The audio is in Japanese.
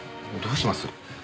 どうします？